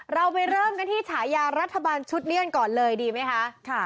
เราไปเริ่มกันที่ฉายารัฐบาลชุดนี้กันก่อนเลยดีไหมคะ